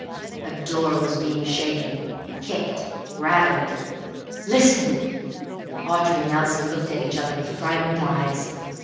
A door was being shaken, kicked, rattled. "Listen!" Audrey and Elsie looked at each other with frightened eyes.